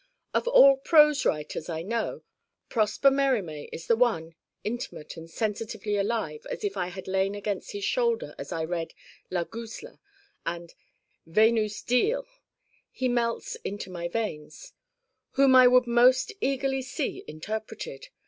Of all prose writers I know Prosper Mérimée is the one (intimate and sensitively alive as if I had lain against his shoulder as I read 'La Guzla' and 'Venus d'Ille' he melts into my veins )whom I would most eagerly see interpreted.